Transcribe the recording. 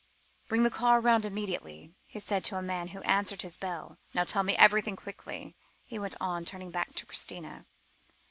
"Bring the car round immediately," he said to a man who answered his bell. "Now, tell me everything quickly," he went on, turning back to Christina.